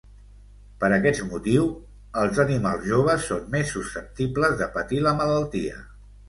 Per aquest motiu els animals joves són més susceptibles de patir la malaltia.